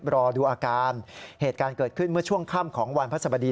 รอดูอาการเหตุการณ์เกิดขึ้นเมื่อช่วงค่ำของวันพระสบดี